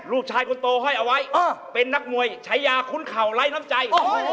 ลูกชายคนโตห้อยเอาไว้เป็นนักมวยชายาคุ้นเข่าไร้น้ำใจ